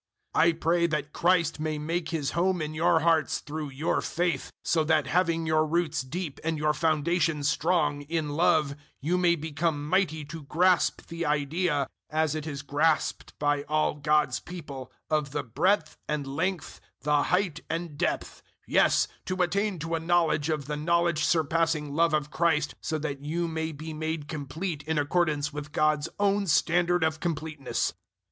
003:017 I pray that Christ may make His home in your hearts through your faith; so that having your roots deep and your foundations strong, in love, you may become mighty to grasp the idea, 003:018 as it is grasped by all God's people, of the breadth and length, the height and depth 003:019 yes, to attain to a knowledge of the knowledge surpassing love of Christ, so that you may be made complete in accordance with God's own standard of completeness.